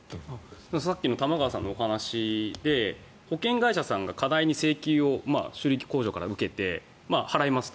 さっきの玉川さんの話で保険会社さんが過大に修理工場から請求を受けて払いますと。